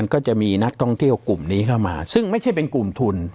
ก็จะมีนักท่องเที่ยวกลุ่มนี้เข้ามาซึ่งไม่ใช่เป็นกลุ่มทุน